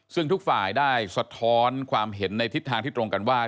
ซึ่งทุกฝ่ายได้สะท้อนความเห็นในทิศทางที่ตรงกันว่า